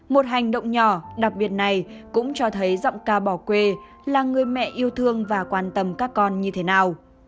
một hành động nhỏ đặc biệt này cũng cho thấy giọng ca bỏ quê là người mẹ yêu thương và quan tâm các con như thế nào